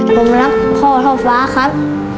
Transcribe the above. ผมรักพ่อเท่าฟ้าครับ